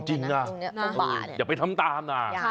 จริงนะอย่าไปทำตามนะ